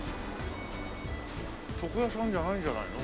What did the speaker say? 床屋さんじゃないんじゃないの？